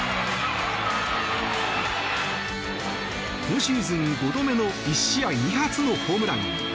今シーズン５度目の１試合２発のホームラン。